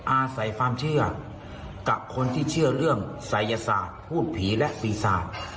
อาศัยความเชื่อกับคนที่เชื่อเรื่องศัยศาสตร์พูดผีและศีรษะ